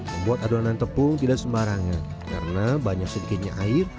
membuat adonan tepung tidak sembarangan karena banyak sedikitnya air